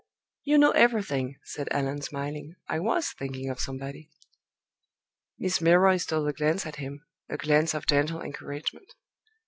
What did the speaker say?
"You know everything," said Allan, smiling. "I was thinking of somebody." Miss Milroy stole a glance at him a glance of gentle encouragement.